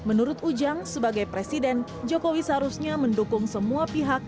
menurut ujang sebagai presiden jokowi seharusnya mendukung semua pihak